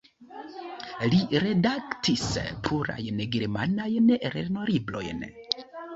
Li redaktis plurajn germanajn lernolibrojn.